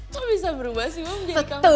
kok bisa berubah sih mami jadi tukang parkir